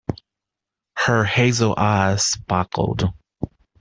Her hazel eyes sparkled.